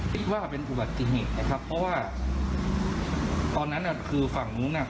คิดว่าเป็นอุบัติเหตุนะครับเพราะว่าตอนนั้นน่ะคือฝั่งนู้นน่ะ